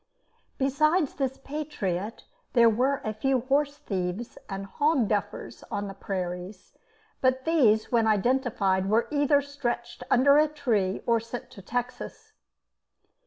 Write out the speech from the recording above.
Besides this patriot, there were a few horse thieves and hog duffers on the prairies, but these, when identified, were either stretched under a tree or sent to Texas.